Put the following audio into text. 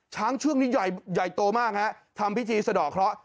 ช้างเชือกนี้ใหญ่โตมากฮะทำพิธีสะดอกเคราะห